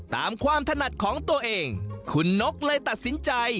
ตามความถนัดของตัวเองคุณนกเลยตัดสินใจ